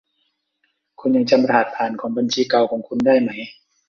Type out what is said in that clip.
คุณยังจำรหัสผ่านของบัญชีเก่าของคุณได้ไหม